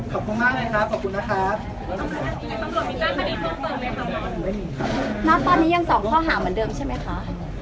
ขอบคุณมากเลยนะครับขอบคุณนะครับมาตอนนี้ยังสองข้อหาเหมือนเดิมใช่ไหมคะ